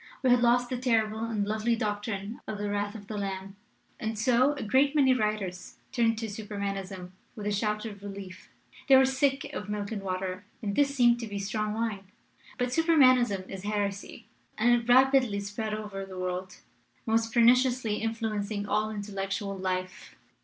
We had lost the terrible and lovely doctrine of the wrath of the Lamb. "And so a great many writers turned to Super manism with a shout of relief. They were sick of milk and water, and this seemed to be strong 293 LITERATURE IN THE MAKING wine. But Supermanism is heresy, and it rapidly spread over the world, most perniciously influenc ing all intellectual life.